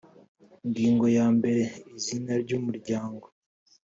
ingingo ya mbere izina ry umuryango